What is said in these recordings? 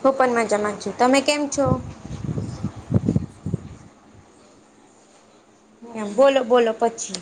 હું પણ મજામાં છું, તમે કેમ છો. હું પણ મજામાં જ છું એ બોલો બોલો પછી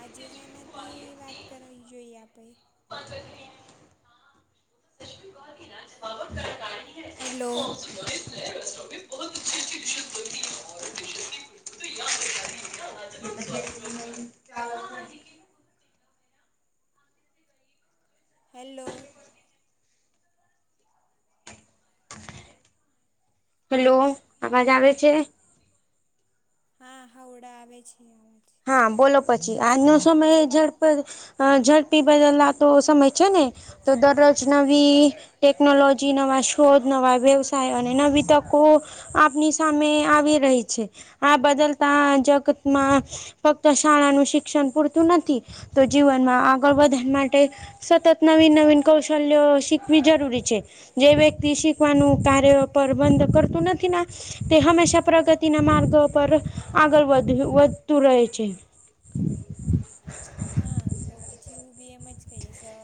આજે છે જેનાથી વાત કરવી જોઈએ આપણે [unintelligible] [inaudible] [unintelligible] હેલો, [unintelligible] હેલ્લો, હેલો આવાજ આવે છે હા હા ઓડા આવે છે, આવે છે. હા બોલો પછી આજનો સમય ઝડપે અ ઝડપી બદલલા તો સમય છે, નેતો દરરોજ નવી ટેકનોલોજી જે નવા શોધ નવા વ્યવસાય અને નવી તકો આપની સામે આવી રહી છે, આ બદલતા જગતમાં ફક્ત શાળાનું શિક્ષણ પૂરતું નથી તો જીવનમાં આગળ વધાર માટે સતત નવીન નવીન કૌશલ્ય શિકવી જરૂરી છે જે વ્યક્તિ શીખવાનું કાર્ય [unintelligible] તે હંમેશા પ્રગતિ માર્ગો પર આગળ વધ વધતું રહે છે, છે. હા તો પછી હું બી એમ જ કહીશ અ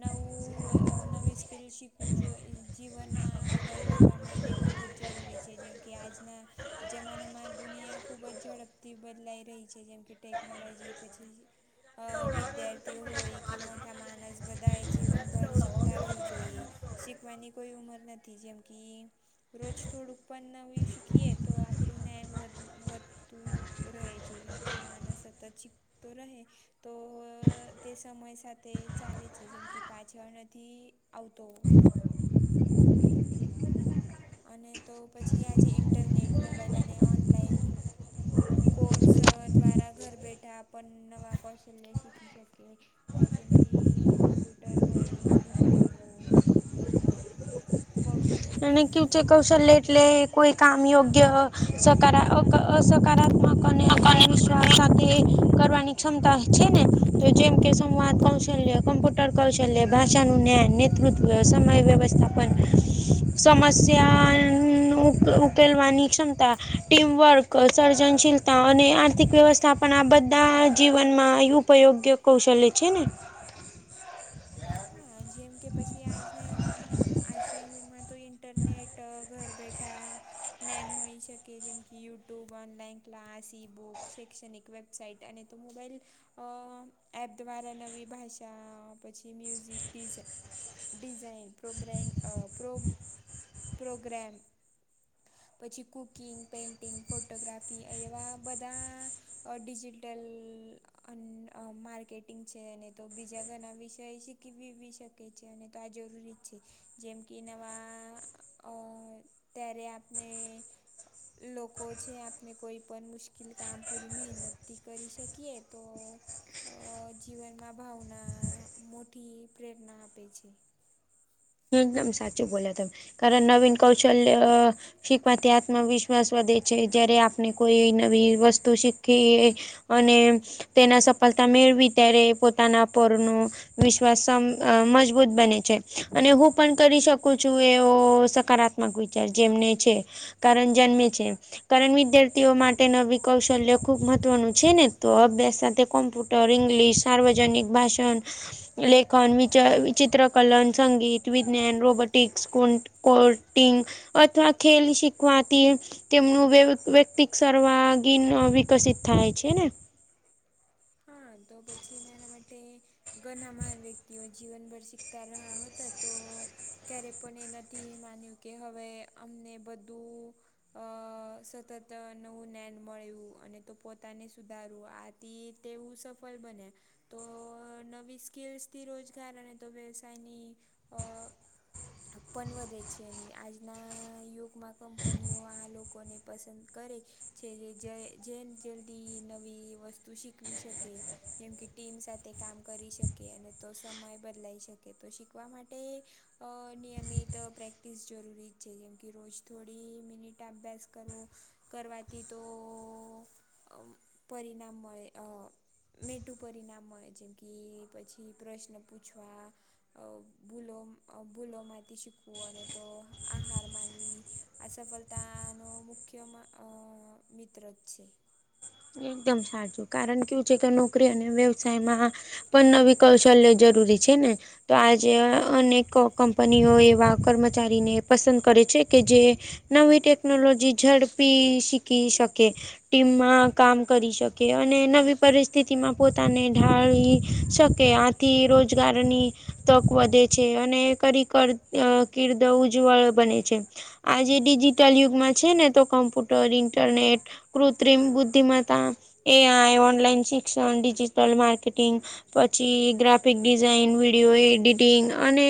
નવું અ નવી સ્કીલ શીખવું જોઈ જીવનમાં આ આગળ વધવા માટે ખૂબ જ જરૂરી છે. જેમ કે આજના જમાનામાં દુનિયા ખુબ જ ઝડપથી બદલાઈ રહી છે, જેમ કે ટેકનોલોજી પછી અ વિદ્યાર્થીઓ હોય કે મોટા, મોટા માણસ બધા એ જીવનભર શીખતા રહેવું જોઈએ, શીખવાની કોઈ ઉંમર નથી, જેમ કે રોજ થોડુંક પણ નવી શીખીએ તો આપણું [unintelligible] વધુ હોય. તું રહે છે, જેમ કે માનસ અત ચીપતો રહે તો તે સમય સાથે ચાલે છે, જેમ કે પાછળ નથી આવતો અને તો પછી આજે ઇન્ટરનેટ મોબાઈલ અને ઓનલાઈન કોર્સ દ્વારા ઘર બેઠા આપ નવા કૌશલ્ય શીખવી શકીએ, અ જેમ કે કોમ્પ્યુટર હોય ઇંગલિશ બોલવું પબ્લિક અને [unintelligible] કૌશલ્ય એટલે કોઈ કામ યોગ્ય [unintelligible] અસકારાત્મક અને આત્મવિશ્વાસ સાથે કરવાની તા છે ને જેમ કે સંવાદ કૌશલ્ય ટર કૌશલ્ય ભાષા નું ન્યા નેતૃત્વ સમય વ્યવસ્થાપન સમસ્યાન ઉક-ઉકેલવાની ક્ષમતા ટીમવર્ક સર્જનશીલતા અને આર્થિક વ્યવસ્થા આર્થિક વ્યવસ્થા પણ આ બધા જીવનમાં ઉપયોગ્ય કૌશલ્ય છે ને [inaudible] હા જેમ કે આજના ઈનામાં આજના યુગમાં તો ઇન્ટરનેટ અહ ઘર બેઠા નેન મળી શકે જેમ કે YouTube online class e book શૈક્ષણિક વેબ સાઇટ અને તો મોબાઈલ અહ એપ દ્વારા નવી ભાષા પછી મ્યુઝિક ડિઝે ડિઝાઇન પ્રોબ્રેમ અહ પ્રો-પ્રોગ્રામ પછી કુકિંગ પેઇન્ટિંગ ફોટોગ્રાફી એવા બધા અહ ડીજિટલ અન અહ માર્કેટિંગ છે અને તો બીજા ઘના વિષય શીખવી બી શે કે છે અને તો આ જરૂરી છે. જેમ કે નવા અહ ત્યારે આપને લોકો છે આપને કોઈ પણ મુશ્કેલ કામ પૂરી મહેનતથી કરી શકીએ તો અહ જીવનમાં ભાવના મોટી પ્રેરણા આપે છે. એકદમ સાચું બોલ્યા તમે કારણ નવીન કૌશલ્ય અહ શીખવાથી આત્મવિશ વિશ્વાસ વધે છે જયારે આપણે કોઈ નવી વસ્તુ શીખી અને તેના સફળતા મેળવી ત્યારે પોતાના પરનું વિશ્વાસ મજબૂત અહ બને છે અને હું પણ કરી શકું છું એ તો સકારાત્મક વિચાર જેમને છે કારણ જન્મે છે. કારણ વિદ્યાર્થીઓ માટે નવી કૌશલ્ય ખુબ મહત્વનું છે ને તો અભ્યાસ સાથે કોમ્પ્યુ ટર ઇંગ્લિશ સાર્વજનિક ભાષણ લેખન વિચ-વિચિત્રકલન સંગીત વિજ્ઞાન રોબોટિક્સ કો-કોર્ટિંગ અથવા ખેલ શીખવાતી તેમનું વ્યવ-વ્યક્તિક સર્વાંગિન વિકસિત થાય છે ને. હા તો પછી મેં એના માટે ઘના મહાન વ્યક્તિઓ જીવનભર શીખતા રહા હતા તો ક્યારે એ નથી માન્યું હવે અમને બધું અહ સતત અહ નવું જ્ઞાન મળ્યું અને તો પોતાને સુધારવું આથી તેવું સફલ બને. તો નવી સ્કલ્સથી રોજગાર અને તો વ્યવસાયની અહ પણ વધે છે અને આજના યુગમાં કંપનીઓ આ લોકોને પસંદ કરે છે જે જેન જલ્દી નવી વસ્તુ શીખવી શકે. જેમ કે ટીમ સાથે કામ કરી શકે અને તો સમય બદલાઈ શકે તો શીખવા માટે અહ નિયમિત અહ પ્રેક્ટિસ જરૂરી જ છે જેમ કે રોજ થોડી મિનિટ અભ્યાસ કરો કરવાથી તો અહ પરિણામ મળે અહ મેટું પરિણામ હોય જેમ કે પછી પ્રશ્ન પૂછવા અહ ભૂલો અહ ભૂલોમાંથી શીખવું અને તો આહાર માનવી આ સફળતાનો મુખ્ય માં અહ મિત્રજ છે. એકદમ સા જો કારણ કેવું છે કે નોકરી અને વ્યવસાયમાં પણ નવી કૌશલ્ય જરૂરી છે ને તો આજ જે અહ અનેક ક કંપનીઓ એવા કર્મચારીને પસંદ કરે છે કે જે નવી ટેકનોલોજી ઝડપી શીખી શકે, ટીમમાં કામ કરી શકે અને નવી પરિસ્થિતિમાં પોતાને ઢાળી શકે આ થી રોજગારની તક વધે છે અને કરીકર અહ કીર્દ ઉજ્જવળ બને છે. આજે ડિજીિટલ યુગમાં છે ને તો કમ્પુટર ઇન્ટરનેટ કૃત્રિમ બુધ તેમ હતા એ. આઈ, ઓનલાઈન શિક્ષણ, ડિજિટલ માર્કેટિંગ પછી ગ્રાફિક ડિઝાઇન વિડીયો, એડિટિંગ અને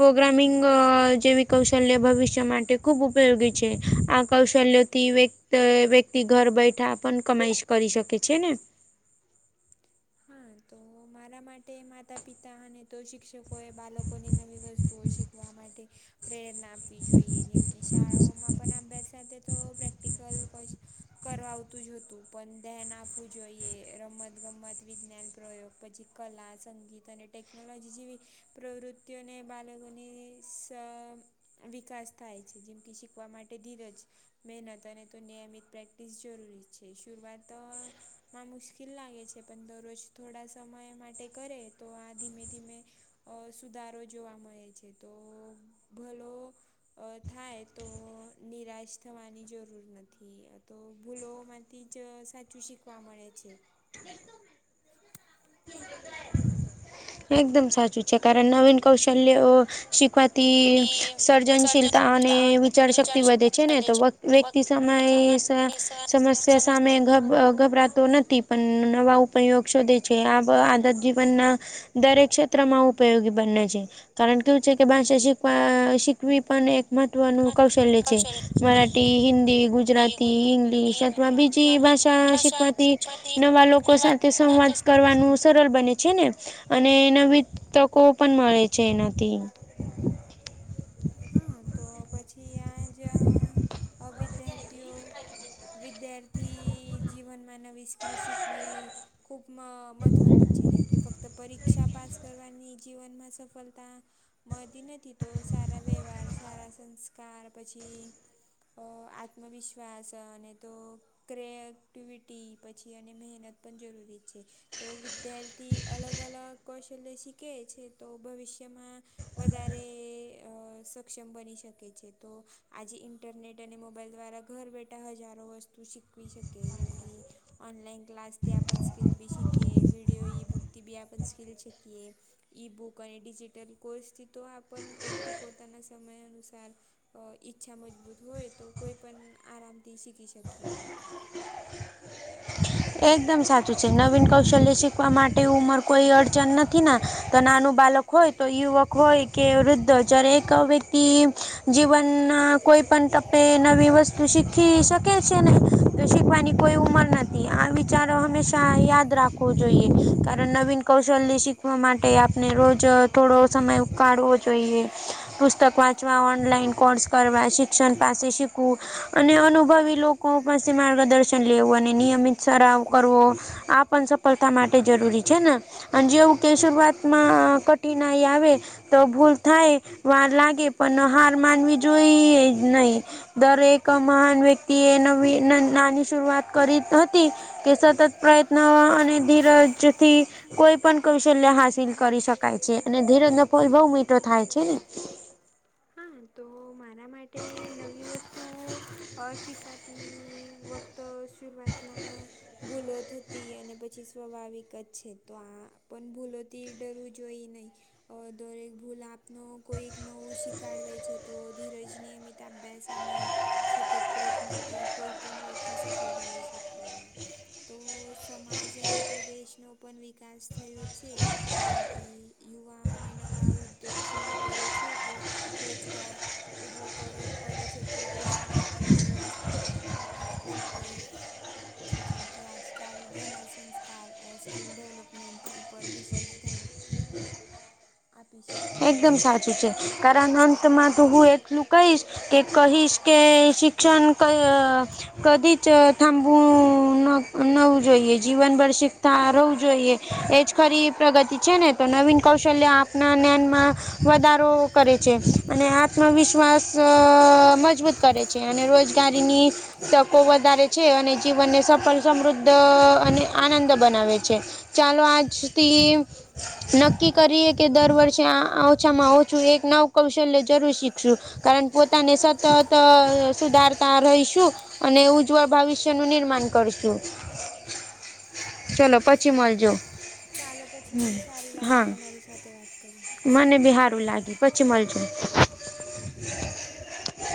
પ્રોગ્રામિંગ અ જેવી કૌશલ્ય ભવિષ્ય માટે ખૂબ ઉપયોગી છે. આ કૌશલ્ય તી વ્ય વ્યક્તિ ઘર બેઠા પણ કમાઈ કરી શકે છે ને હા તો મારા માટે માતા પિતા અને તો શિક્ષકો એ બાળકોની નવી વસ્તુઓ શીખવા વા માટે પ્રેરણા આપવી જોઈએ જેમ કે શાળાઓમાં પણ અભ્યાસ સાથે તો પ્રેક્ટ પ્રેક્ટિકલ કરાવ આવતું જ હતું પણ ધેન આપવું જોઈએ. રમતગમત વિજ્ઞાન પ્રયોગ પછી કલા સંગીત અને ટેકનોલોજી જેવી પ્રવૃત્તિ તીઓ ને બાલોકો ને શ વિકાસ થાય છે જેમ કે શીખવા માટે ધીરજ મહેનત અને તો નિયમિત પ્રેક્ટિસ જરૂરી છે. શુરુઆત તો માં મુશ્કેલ લાગે છે પણ દરરોજ થોડા સમય માટે કરે તો આ ધીમે ધીમે અ સુધારો જોવા મળે છે તો ભલો થાય તો નિરાશ થવાની જરૂર નથી તો ભૂલો માંથી જ સાચું શીખવા મળે છે. [inaudible] એકદમ સાચું છે કારણ નવીન કૌશલ્ય અ શીખવા તિ સર્જનશીલતા અને વિચાર શક્તિ વધે છે ને તો વ્ય વ્યક્તિ સમય સમસ્યા સામે ગભ ગભરાતો નથી પણ નવા ઉપયોગ શોધે છે આ આદત જીવનના દરેક ક્ષેત્રમાં ઉપયોગી બને છે. કારણ કેવું છે કે ભાષા શીખવા શીખવી પણ એક મહત્વનું કૌશલ્ય છે. મરાઠી, હિન્દી, ગુજરાતી, ઇંગ્લિશ અથવા બીજ જી ભાષા શીખવાથી નવા લોકો સાથે સંવાદ કરવાનું સરળ બને છે ને અને નવી તકો પણ મળે છે. એનાથી હા તો પછી આ જ્યાં અ વિદ્યાર્થીઓ વિદ્યાર્થી જીવનમાં નવી સ્કિલ શીખવી ખૂબ મ મહત્ત્વની જ છે જેમ કે ફક્ત પરીક્ષા પાસ કરવાની જીવનમાં સફળતા મળતી નથી તો સારા વ્યવહાર સારા સંસ્કાર પછી આત્મવિશ્વાસ અને તો ક્રે એક્ટિવિટી પછી અને મેહનત પણ જરૂરી છે. તો વિદ્યાર્થી અલગ અલગ કૌશલ્ય શીખે છે તો ભવિષ્યમાં વધારે અ સક્ષમ બની શકે છે. તો આજે ઇન્ટરનેટ અને મોબાઈલ દ્વારા ઘર બેઠા હજારો વ તું શીખવી શકે જેમ કે ઓનલાઈન ક્લાસથી આપન સ્કિલ બી શિખીએ વિડિયો ઈ બુકથી બી આપ સ્કિલ શીખએ. ઈ બુક અને ડિજિટલ કોર્સથી તો આપ વ્યક્તિ પોતાના સમય અનુસાર અ ઈચ્છા મજબૂત હોય તો કોઈ પણ આરામથી શીખી શકીએ. એકદમ સાચું છે નવીન કૌશલ્ય શીખવા માટે ઉંમર કોઈ અડચણ નથી ને તો નાનું બાલક હોય તો યુવક હોય કે વૃદ્ધ હોય જ્યારે વ્યક્તિ જીવનના કોઈ પણ તપ તે નવી વસ્તુ શીખી શકે છે ને તો શીખવાની કોઈ ઉંમર નથી. આ વિચારો હંમેશા યાદ રાખવો જોઈએ કારણ નવીન કૌશલ્ય શી ખવા માટે આપણે રોજ થોડો સમય કાઢવો જોઈએ. પુસ્તક વાંચવા ઓનલાઈન કોર્સ કરવા શિક્ષણ પાસે શીખવું અને અનુભવી લોક લોકો પાસેથી માર્ગદર્શન લેવું અને નિયમિત સરાવ કરવો. આ પણ સફળતા માટે જરૂરી છે ને અને જેવું કે શરૂઆતમાં કઠિનાઈ આવે. તો ભૂલ થાય, વાર લાગે પણ હાર માનવી જોઈએ જ નઈ. દરેક મહાન વ્યક્તિ એ નવી નાની શુરુઆત કરી હતી કે સતત પ્રયત્ન અને ધીરજથી કોઈ પણ કૌશલ્ય હાસિલ કરી શકાય છે અને ધીરજનો ફળ બહુ મીઠો થાય છે ને. હા તો મારા માટે નવી વસ્તુ અ શીખવાથી તો શરૂઆતમાં ભૂલો થતી અને પછી સ્વાભાવિક જ છે તો આ પણ ભૂલોથી ડરવું જોઈએ નહીં. અ દરેક ભૂલ આપનો કોઈક નવું શીખાડવે છે તો ધીરજને મિત તા બેસ અને સતત પ્રયત્નથી કોઈ પણ વ્યક્તિ સફલ બની શકીએ. તો સમાજ અને તો દેશનો પણ વિકાસ થયો છે. જેમ કે યુવાને નવા ઉદ્યોગ શરુ કરે છે તો રોજગાર ઊભો કરો કરે છે તો દેશની અર્થવ્યવસ્થા મજબૂત બનતી છે જેમ કે આજકાલ ઘણા સંસ્કાર, અ સ્કિલ ડેવલોપમેન્ટ ઉપર વિશેષ ધ્યાન આપી શક એકદમ સાચું છે. કારણ અંતમાં તો હું એટલું કહીશ કે કહીશ કે શિક્ષણ કય કદી જ થાંભવું નવુ જોઈએ. જીવન ભર શીખતા રહેવું જોઈએ. એજ ખરી પ્રગતિ છે ને તો નવીન કૌશલ્ય આપના ને માં વધારો કરે છે. અને આત્મવિશ્વાસ મજબૂત કરે છે અને રોજગારીની તકો વધારે છે. અને જીવનને સફળ, સમૃદ્ધ અને આનંદ બનાવે છે. ચાલો આજથી આને નક્કી કરીએ કે દર વર્ આ ઓછામાં ઓછું એક નવુ કૌશલ્ય જરૂર શીખશું. કારણ પોતાને સતત સુધારતા રહીશું. અને ઉજ્જવળ ભવિષ્યનું નિર્માણ કરશું. ચલો પછી મલજો. કાલે પછી મને સારી લાગે તમારી સાથે વાત કરી મને બિ હારું લાગ્યું પછી મલજો.